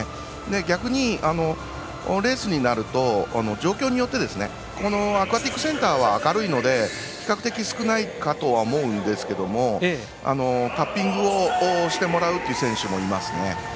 逆に、レースになると状況によってアクアティクスセンターは明るいので比較的少ないかとは思うんですけどもタッピングをしてもらう選手もいますね。